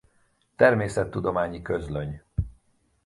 Természettudományi Közlöny